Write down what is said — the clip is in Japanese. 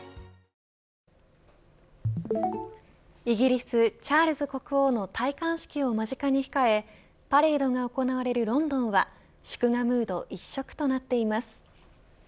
イギリス、チャールズ国王の戴冠式を間近に控えパレードが行われるロンドンは祝賀ムード一色となっています。